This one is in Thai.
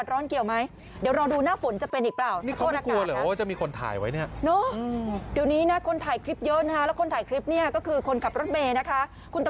สะดุจากชีวิต